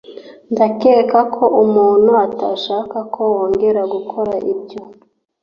Ndakeka ko umuntu atashakaga ko wongera gukora ibyo